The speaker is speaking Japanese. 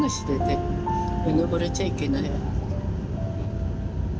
うぬぼれちゃいけないわ。